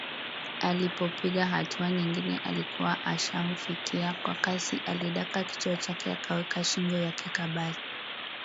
Alipopiga hatua nyingine alikuwa ashamfikia kwa kasi alidaka kichwa chake akaweka shingo yake kabali